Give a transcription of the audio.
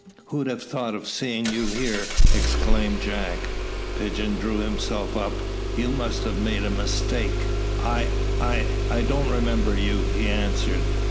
Who'd have thought of seeing you here?" exclaimed Jack. Pigeon drew himself up. "You must have made a mistake; I I don't remember you," he answered.